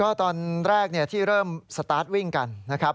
ก็ตอนแรกที่เริ่มสตาร์ทวิ่งกันนะครับ